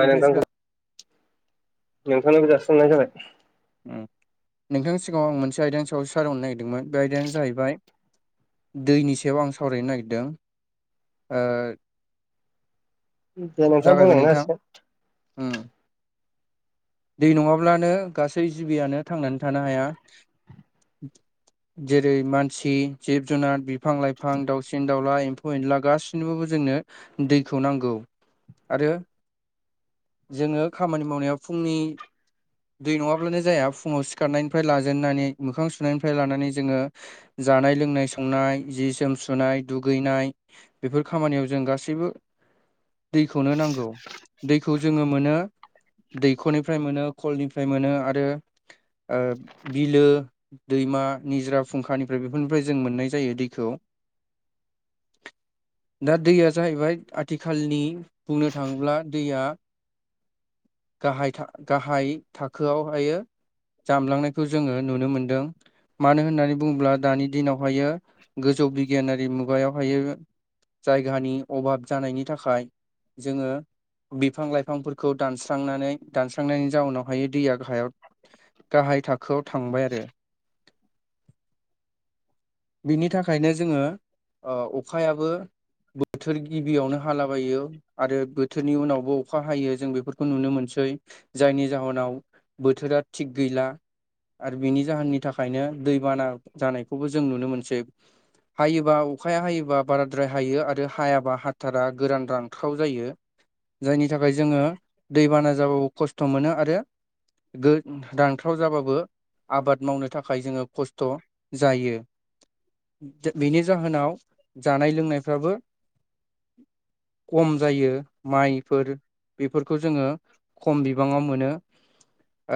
नोंथां सिगां नोंथांनो [unintelligible] जाबाय। नोंथांनि सिगाङाव आं मोनसे आयदानि सायाव साररनो नागिरदोंमोन बे आयदायानो जाहैबाय दैनि सायाव आं सावरायनो नागिरदों। दे नोंथाङा जागायबाय बुंलांनो नोंथां। दै नङाब्लानो गासै जिबियानो थांनानै थानो हाया। जेरै मानसि जिब जुनार बिफां लाइफां दाउसिन दाउला एम्फौ एनला गासैनोबो जोंनो दैखौ नांगौ आरो जोङो खामानि मावनायाव फुंनि दै नङाब्लानो जाया फुङाव सिखारनायनिफ्राय लाजेननानै मोखां सुनायनिफ्राय लानानै जोङो जानाय लोंनाय संनाय जि सोम सुनाय दुगैनाय बेफोर खामानियाव जों गासैबो दैखौनो नांगौ दैखौ जोङो मोनो दैखरनिफ्राय मोनो खलनिफ्राय मोनो आरो ओ बिलो दैमा निजोरा फुंखानिफ्राय बेफोरनिफ्राय जों मोननाय जायो दैखौ [unintelligible] दा दैया जाहैबाय आथिखालनि बुंनो थाङोब्ला दैया [unintelligible] गाहाय था गाहाय थाखोआवहायो जामलांनायखौ जोङो नुनो मोनदों मानो होननानै बुङोब्ला दानि दिनावहायो गोज बिगियानारि मुगायावहायो जायगानि अभाब जानायनि थाखाय जोङो बिफां लाइफांफोरखौ दान स्रांनानै दानस्रांनायनि जाउनावहाय दैया गाहायाव गाहाय थाखोआव थांबाय आरो [unintelligible] बिनि थाखायनो जोङो ओ अखायाबो बोथोर गिबियावनो हालाबायो आरो बोथोरनि उनावबो अखा हायो जों बेफोर खौ नुनो मोनसै जायनि जाहोनाव बोथोरा थिग गैला आरो बिनि जाहोननि थाखायनो दैबाना जानायखौबो जों नुनो मोनसै हायोबा अखाया हायोबा बाराद्राय हायो आरो हायाबा हाथारा गोरान रांख्राव जायो जायनि थाखाय जोङो दैबाना जाबाबो खस्थ' मोनो आरो गो रानख्राव जाबाबो आबाद मावनो थाखाय जोङो खस्थ' जायो बिनि जाहोनाव जानाय लोंनायफ्राबो खम जायो माइफोर बेफोर खौ जोङो खम बिबाङाव मोनो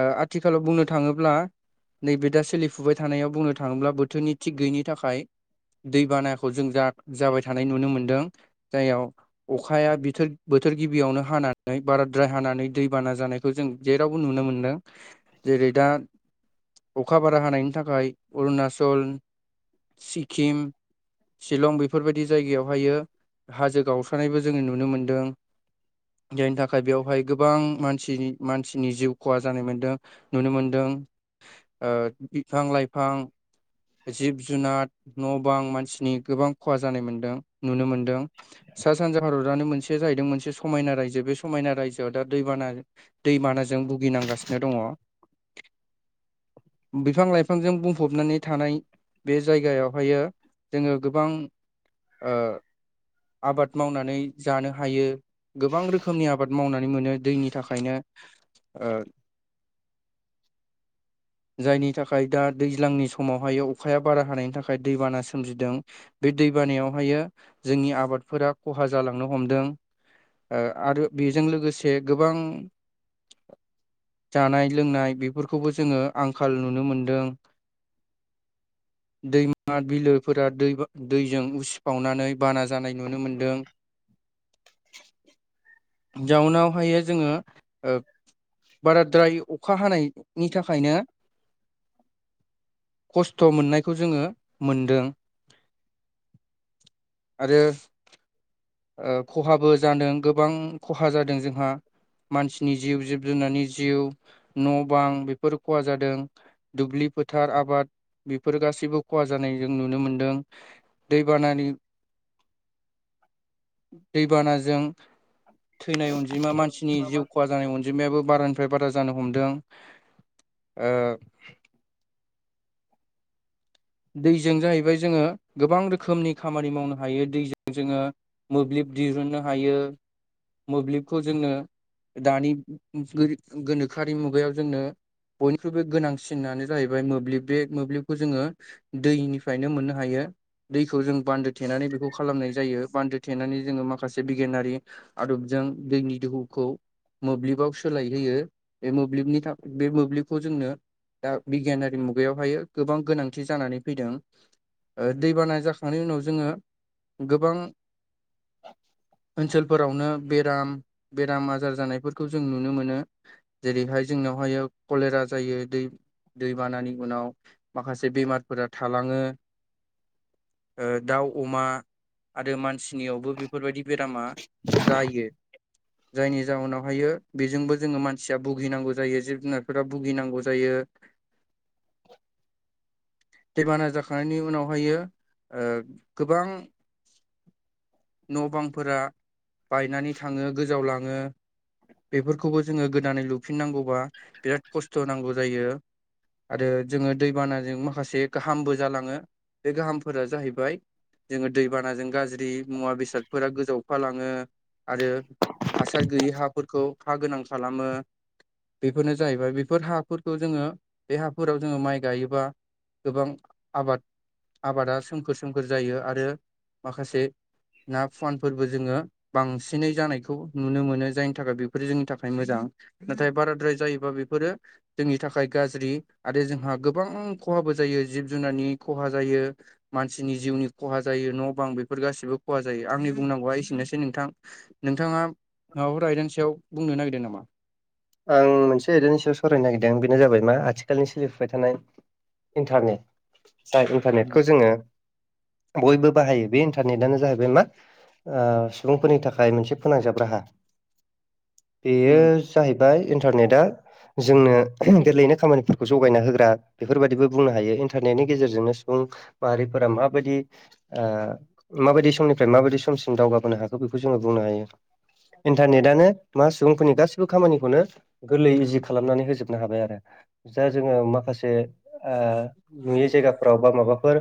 ओ आथिखालाव बुंनो थाङोब्ला नैबे दा सोलिफुबाय थानायाव बुंनो थाङोब्ला बोथोरनि थिग गैयिनि थाखाय दैबानाखौ जों जा जाबाय थानाय नुनो मोनदों जाययाव अखाया बिथोर बो बोथोर गिबियावनो हानानै बाराद्राय हानानै दैबाना जानायखौ जों जेरावबो नुनो मोन्दों जेरै दा अखा बारा हानायनि थाखाय अरुणाचल सिक्किम शिलं बेफोरबायदि जायगायावहायो हाजो गावस्रानायबो जोङो नुनो मोनदों जयनथ थाखाय बेवहाय गोबां मानसिनि मानसिनि जिउ खहा जानाय मोन्दों नुनो मोनदों ओ बिफां लाइफां जिब जुनार न' बां मानसिनि गोबां खहा जानाय मोनदों नुनो मोनदों सा सानजा भारतआनो मोनसे जाहैदों मोनसे समायना रायजो बे समायना रायजोआव दा दैबाना दैमानाजों भुगिनांगासिनो दङ बिफां लाइफांजों बुंफबनानै थानाय बे जायगायावहायो जोङो गोबां ओ आबाद मावनानै जानो हायो गोबां रोखोम आबाद मावनानै मोनो दैनि थाखायनो ओ [unintelligible] जायनि थाखाय दा दैज्लांनि समावहाय अखाया बारा हानायनि थाखाय दैबाना सोमजिदों बे दै बानायावहायो जोंनि आबादफोरा खहा जालांनो हमदों ओ आरो बेजों लोगोसे गोबां जानाय लोंनाय बेफोरखौबो जोङो आंखाल नुनो मोनदों [unintelligible] दैमा बिलोफोरा दै दैजों उसिफावनानै बाना जानाय नुनो मोनदों [unintelligible] जाउनावहायो जोङो ओ बाराद्राय अखा हानायनि थाखायनो खस्थ' मोननायखौ जोङो मोनदों आरो ओ खहाबो जादों गोबां खहा जादों जोंहा मानसिनि जिउ जिब जुनारनि जिउ न' बां बेफोर खहा जादों दुब्लि फोथार आबाद बेफोर गासिबो खहा जानाय जों नुनो मोनदों दैबानानि [inaudible] दैबानाजों थैनाय अनजिमा मानसिनि हासिगोन जिउ खहा जानाय अनजिमायाबो बारानि फ्राय बारा जानो हमदों ओ दैजों जाहैबाय जोङो गोबां रोखोमनि खामानि मावनो हायो दैजों जोङो मोब्लिब दिहुननो हायो मोब्लिबखौ जोङो दानि गोरि गोनोखोआरि मुगायाव जोंनो बयनिख्रुइबो गोनांसिनानो जाहैबाय मोब्लिब बे मोब्लिबखौ जोङो दैनिफ्रायनो मोननो हायो दैखौ जों बान्दो थेनानै बेखौ खालामनाय जायो बान्दो थेनानै जोङो माखासे बिगियानारि आदब जो जों दैनि दोहौखौ मोब्लिबाव सोलाय होयो बे मोब्लिबनि था बे मोब्लिबखौ जोंनो दा बिगियानारि मुगायावहायो गोबां गोनांथि जानानै फैदों ओ दैबाना जाखांनायनि उनाव जोङो गोबां [inaudible] ओनसोलफोरावनो बेराम बेराम आजार जानायफोरखौ जों नुनो मोनो जेरैहाय जों जनावहायो कलेरा जायो दै दै बानानि उनाव माखासे बेमार फोरा थालाङो ओ दाउ अमा आरो मानसि नियावबो बेफोरबायदि बेरामा जायो [inaudible] जायनि जाहोनावहायो बेजोंबो जोङो मानसिया भुगिनांगौ जायो जिब जुनारफोरा भुगिनांगौ जायो [inaudible] दैबाना जाखांनायनि उनावहायो ओ गोबां न' बांफोरा बायनानै थाङो गोजाव लाङो बेफोरखौबो जोङो गोदानै लुफिननांगौबा बिराद खस्थ' नांगौ जायो आरो जोङो दैबानाजों माखासे गाहामबो जालाङो बे गाहामफोरा जाहैबाय जोङो दैबानाजों गाज्रि मुवा बेसादफोरा गोजावफालाङो आरो हासार गैयि हाफोरखौ हा गोनां खालामो बेफोरनो जाहैबाय बेफोर हाफोरखौ जोङो बे हाफोराव जोङो माइ गायोबा गोबां आबाद आबादा सोमखोर सोमखोर जायो आरो माखासे ना फुवानफोरबो जोङो बांसिनै जानायखौ नुनो मोनो जायनि थाखाय बेफोरो जोंनि थाखाय मोजां नाथाय बाराद्राय जायोबा बेफोरो जोंनि थाखाय गाज्रि आरो जोंहा गोबां खहाबो जायो जिब जुनारनि खहा जायो मानसिनि जिउनि खहा जायो न' बां बेफोर गासिबो खहा जायो आंनि बुंनांगौआ एसेनोसै नोंथां नोंथाङा माबाफोल आयदानि सायाव बुंनो नागिरदों नामा आं मोनसे आयदानि सायाव सावरायनो नागिरदों बेनो जाबाय मा आथिखालनि सोलिफुबाय थानाय इन्टारनेट जाय इन्टारनेटखौ नामा जोङो बयबो बाहायो बे इन्टारनेटआनो जाहैबाय मा ओ सुबुंफोरनि थाखाय मोनसे फोनांजाब राहा बेयो बाय इन्टारनेटआ जोंनो गोरलैनो खामानिफोरखौ जगायना होग्रा बेफोरबायदिबो बुंनो हायो इन्टारनेटनि गेजेरजोंनो सुबुं माहारिफोरा माबायदि ओ माबायदि समनिफ्राय माबायदि समसिम दावगाबोनो हाखो बेखौ जोङो बुंनो हायो। इन्टारनेटानो मा सुबुंफोरनि गाैसिबो खामानिखौनो गोरलै इजि खालामनानै होजोब नो हाबाय आरो जा जोङो माखासे ओ नुयै जायगाफ्राव बा माबा फोर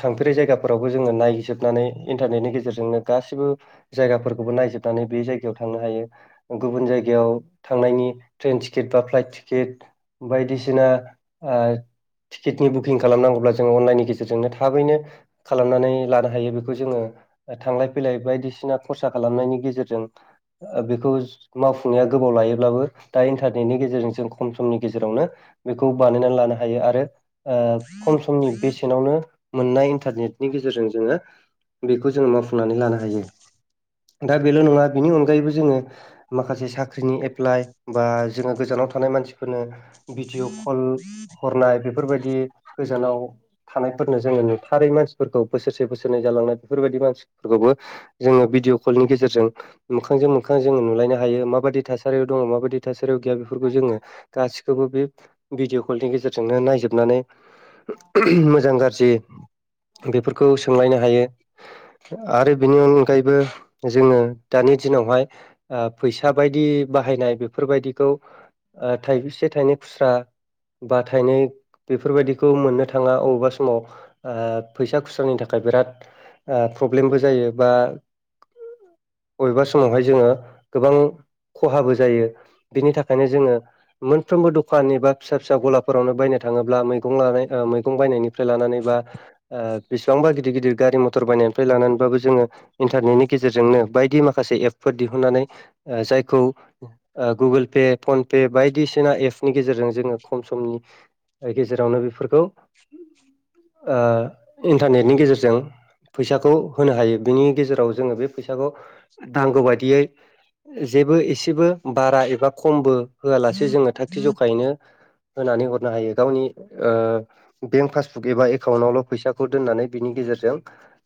थांफेरै जायगाफोरावबो जोङो नायजोबनानै इन्टारनेटनि गेजेरजोंनो गासिबो जायगा फोरखौबो नायजोबनानै बे जायगायाव थांनो हायो। गुबुन जाय गायाव थांनायनि ट्रेन टिकिट बा फ्लाइट टिकिट बायदिसिना आ टिकिटनि बुकिं खालामनांगौब्ला जोङो अनलाइननि गेजेरजोंनो थाबैनो खालामनानै लानो हायो बेखौ जोङो ओ थांलाय फैलाय बायदिसिना खरसा खालामनायनि गेजेरजों ओ बेखौ माव फुंनाया गोबाव लायोब्लाबो दा इन्टारनेटनि गेजेरजों जों खम समनि गेजेरावनो बेखौ बानायना लानो हायो आरो आ खम समनि बेसेनावनो मोननाय इन्टारनेटनि गेजेरजों जोङो बेखौ जोङो मावफुंनानै लानो हायो। दा बेल' नङा बेनि अनगायैबो जोङो माखासे साख्रिनि एप्लाइ बा जोङो गोजानाव थानाय मानसिफोरनो भिडिअ' कल हरनाय बेफोर बायदि गोजानाव थानायफोरनो जोङो नुथारै मानसिफोरखौ बोसोरसे बोसोरनै जा जालांनाय बेफोर बायदि मानसिफोखौबो जोङो भिडअ कलनि गेजेरजों मोखांजों मोखां जों नुलायनो हायो मा बादि थासारियाव दङ' मा बादि थासारियाव गैया बेफोरखौ जोङो गासिखौबो बे भिडिअ कलनि गेजेरजोंनो नायजोबनानै [unintelligible] मोजां गाज्रि बेफोरखौ सोंलायनो हायो। आरो बिनि अनगायैबो जोङो दानि दिनावहाय ओ फैस सग बायदि बाहायनाय बेफोरबायदिखौ ओ थाइबैसे थाइनै खुस्रा बा थायनै बेफोर बायदिखौ मोननो थाङा अबेबा समाव ओ फैसा खुस्रांनि थाखाय बिराद ओ प्रब्लेमबो जायो बा बबेबा समावहाय जोङो गोबां खहाबो जायो बिनि थाखायनो जोङो मोनफ्रोमबो दखान एबा फिसा फिसा गलाफोरावनो बायनो थाङोब्ला मैगं लानाय ओ मैगं बायनायनि फ्राय लानानै बा ओ बेसेबांबा गिदिर गिदिर गारि मथर बायनाय फ्राय लानानैबाबो जोङो इन्टारनेटनि गेजेरजोंनो बायदि माखासे एपफोर दिहुननानै ओ जायखौ ओ गुगोल पे फनपे बायदिसिना एपनि गेजेरजों जोङो खम समनि ओ गेजेरावनो बेफोरखौ ओ इन्टारनेटनि गेजेरजों फैसाखौ होनो हायो बिनि गेजेराव जोङो बे फै साखौ नांगौ बायदियै जेबो एसेबो बारा एबा खमबो होआलासे जोङो थाखागथि जखायैनो होनानै हरनो हायो गावनि ओ बेंक पासबुक एबा एकाउन्टावनो फैसाखौ दोननानै बिनि गेजे जेरजों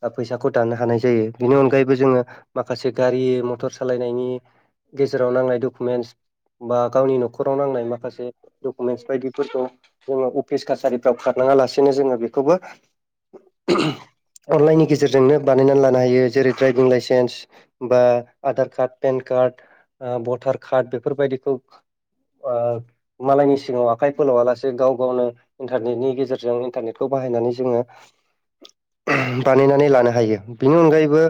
ओ फैसाखौ दाननो हानाय जायो। बेनि अनगायैबो जोङो माखासे गारि मथर सालायनायनि गेजेराव नांनाय डकुमेन्टस बा गावनि न'खराव नांनाय माखासे डकुमेन्टस बायदिफोरखौ जोङो अ फिस कासारिफ्राव खारनाङा लासिनो जोङो बेखौबो [unintelligible] अनलाइननि गेजेरजोंनो बानायनानै लानो हायो जेरै दड्राइभिं लाइसेन्स बा आधार कार्ड पेन कार्ट ओ भटार कार्ट बेफोर बायदिखौ ओ मालायनि सिङाव आखाइ फोलावा लासे गाव गावनो इन्टारनेटनि गेजेरजों इन्टारनेटखौ बाहायनानै जोङो [inaudible] बानायनानै लानो हायो बिनि अनगायैबो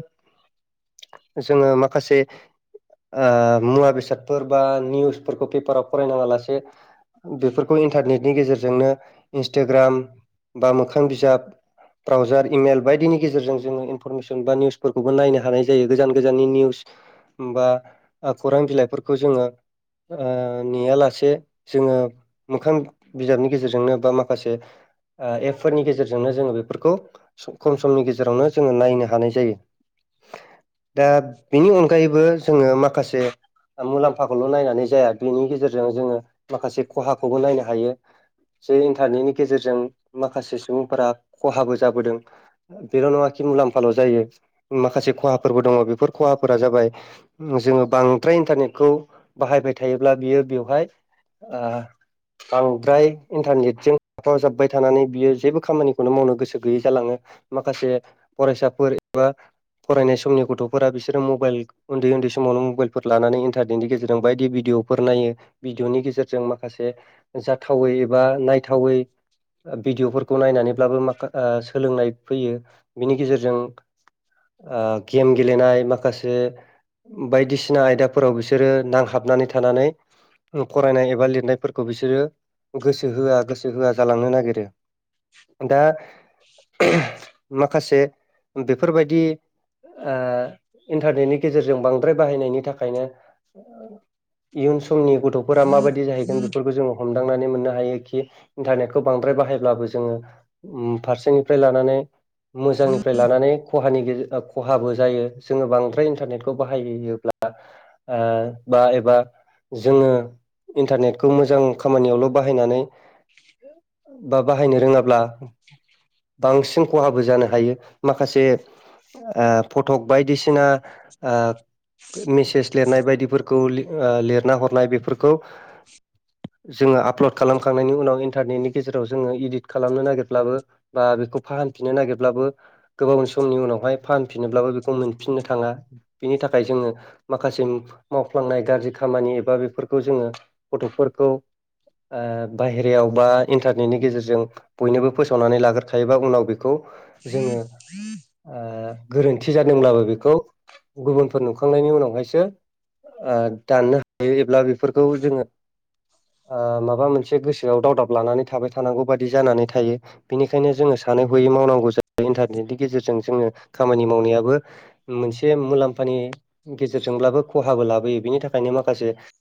जोङो माखासे ओ मुवा बेसादफोर बा निउस फोरखौ पेपाराव फरायनाङा लासे बेफोरखौ इनटारनेटनि गेजेर जोंनो इन्सटाग्राम बा मोखां बिजाब ब्राउजार इमेल बायदिनि गेजेरजों जोङो इनफरमेसन बा निउसफोरखौबो नायनो हानाय जायो गोजान गोजाननि निउस बा ओ खौरां बिलाइफोरखौ जोङो ओ नेयालासे जोङो मोखां बिजाबनि गेजेरजोंनो बा माखासे ओ एपफोरनि गेजेरजोंनो जोङो बेफोरखौ खम समनि गेजेरावनो जोङो नायनो हानाय जायो। दा बेनि अनगायैबो बो जोङो माखासे मुलाम्फाखौल' नायनानै जाया बेनि गेजेरजों जोङो माखासे खहाखौबो नायनो हायो। जे इन्टारनेटनि गेजेरजों माखासे सुबुंफोरा खहाबो जाबोदों बेल' नङाखि मुलाम्फाल' जायो माखासे खहाफोरबो दङ बेफोर खहाफोरा जाबाय जोङो बांद्राय इन्टारनेटखौ बाहायबाय थायोब्ला बियो बेवहाय आ बांद्राय इन्टारनेटजों थाफावजाबबाय थानानै बियो जेबो खामानिखौनो मावनो गोसो गैयै जालाङो माखासे फरायसाफोर एबा फरायनाय समनि गथ'फोरा बिसोरो मबाइल उन्दै उन्दै समावनो मबाइलफोर लानानै इन्टारनेटनि गेजेरजों बायदि भिडिअफोर नायो भिडिअनि गेजेरजों माखासे जाथावै एबा नायथावै भिडिअफोरखौ नायनानै ब्लाबो माखा ओ सोलोंनाय फैयो बिनि गेजेरजों ओ गेम गेलेनाय माखासे बायदिसिना आयदाफोराव बिसोरो नांहाबनानै थानानै फरायनाय एबा लिरनायफोरखौ बिसोरो गोसो होआ गोसो होआ जालांनो नागिरो। दा [unintelligible] माखासे बेफोरबायदि ओ इन्टारनेटनि गेजेरजों बांद्राय बाहायनायनि थाखायनो इयुन समनि गथ'फोरा माबायदि जाहैगोन बेफोरखौ जोङो हम दांनानै मोननो हायोखि इन्टारनेटखौ बांद्राय बाहायब्लाबो जोङो फारसेनिफ्राय लानानै मोजांनिफ्राय लानानै खहानि खहाबो जायो जोङो बांद्राय इन्टारनेटखौ बाहायोब्ला ओ बा एबा जोङो इन्टारनेटखौ मोजां खामानियावल' बाहायनानै बा बाहायनो रोङाब्ला बांसिन खहाबो जानो हायो माखासे ओ फटक बायदिसिना ओ मेसेज लिरनाय बायदिफोरखौ ओ लिरना हरनाय बेफोरखौ जोङो आपलड खालामखांनायनि उनाव इन्टारनेटनि गेजेराव जोङो इदिट खालामनो नागिरब्लाबो बा बेखौ फाहामफिननो नागिरब्लाबो गोबाव समनि उनावहाय फानफिननोब्लाबो बेखौ मोनफिननो थाङा। बिनि थाखाय जोङो माखासे मावफ्लांनाय गाज्रि खामानि एबा बेफोरखौ जोङो गथ'फोर खौ ओ बाहेरायाव बा इन्टारनेटनि गेजेरजों बयनोबो फोसावनानै लाग्रोखायोबा उनाव बेखौ जोङो ओ गोरोन्थि जादोंब्लाबो बेखौ गुबुनफोर नुखांनायनि उनावहायसो ओ दाननो हायो एबा बेफोरखौ जोङो ओ माबा मोनसे गोसोआव दावदाब लानानै थाबाय थानांगौ बायदि जानानै थायो बेनिखायनो जोङो सानै हयै मावनांगौ जायो इन्टारनेटनि गेजेरजों जोङो खामानि मावनायाबो मोनसे मुलाम म्पानि गेजेरजोंब्लाबो खहाबो लाबोयो बेनि थाखायनो माखासे